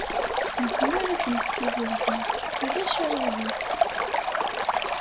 Nezmer ad nessiwel da. Ulac aɣilif.